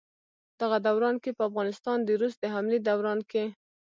دغه دوران کښې په افغانستان د روس د حملې دوران کښې